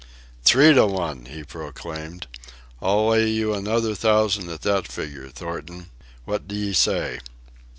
"Three to one!" he proclaimed. "I'll lay you another thousand at that figure, Thornton. What d'ye say?"